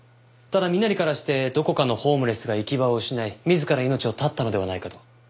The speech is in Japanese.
ただ身なりからしてどこかのホームレスが行き場を失い自ら命を絶ったのではないかと。